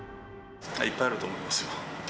いっぱいあると思いますよ。